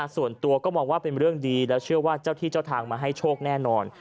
ส่วนตัวก็มองว่าเป็นเรื่องดีแล้วเชื่อว่าเจ้าที่เจ้าทางมาให้โชคแน่นอน